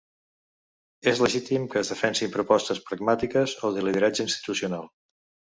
És legítim que es defensin propostes programàtiques o de lideratge institucional.